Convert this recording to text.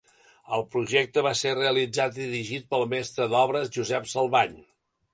El projecte va ser realitzat i dirigit pel mestre d'obres Josep Salvany.